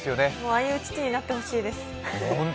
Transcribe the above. ああいう父になってほしいです。